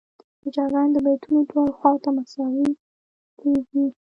هجاګانې د بیتونو دواړو خواوو ته مساوي لویږي.